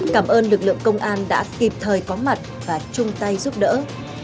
cảm ơn lực lượng công an đã kịp thời có mặt và chung tay giúp đỡ